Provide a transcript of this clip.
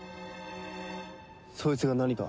そいつが何か？